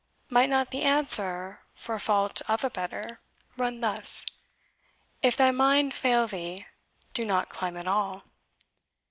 Might not the answer (for fault of a better) run thus? 'If thy mind fail thee, do not climb at all.'"